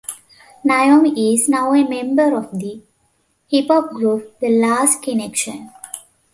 Naomi is now a member of the hip-hop group The Last Kinection.